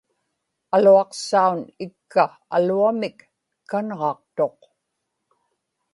aluaqsaun ikka aluamik kanġaqtuq